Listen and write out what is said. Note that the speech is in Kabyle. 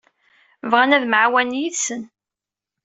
Bɣan ad nemɛawan yid-sen.